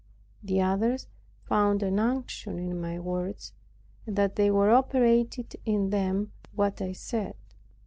The others found an unction in my words, and that they operated in them what I said.